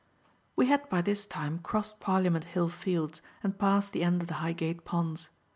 We had by this time crossed Parliament Hill Fields and passed the end of the Highgate Ponds.